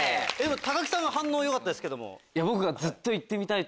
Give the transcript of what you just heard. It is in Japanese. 木さんが反応よかったですけども。